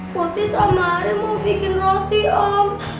putih sama are mau bikin roti om